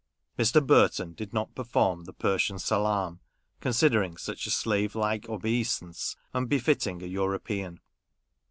Mr. Burton did not perform the Persian salaam, considering such a slave like obeisance un befitting a European.